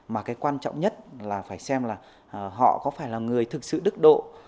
mà cái quan trọng nhất là phải xem là họ có phải là người thực sự đức độ